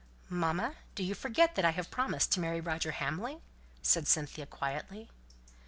"Mamma, do you forget that I have promised to marry Roger Hamley?" said Cynthia quietly.